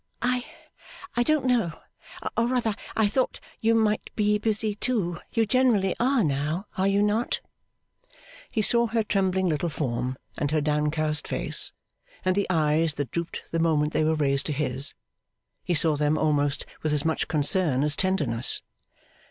'I I don't know. Or rather, I thought you might be busy too. You generally are now, are you not?' He saw her trembling little form and her downcast face, and the eyes that drooped the moment they were raised to his he saw them almost with as much concern as tenderness.